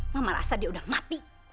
mama merasa dia udah mati